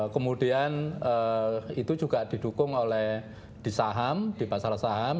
kemudian itu juga didukung oleh di saham di pasar saham